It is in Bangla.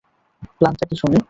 প্ল্যানটা কী শুনি?